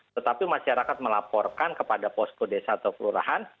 tetapi masyarakat melaporkan kepada posko desa atau kelurahan